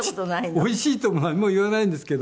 おいしいとも何も言わないんですけど。